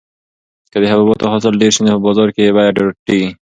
که د حبوباتو حاصل ډېر شي نو په بازار کې یې بیه راټیټیږي.